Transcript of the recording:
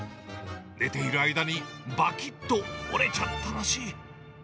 寝ている間にばきっと折れちゃったらしい。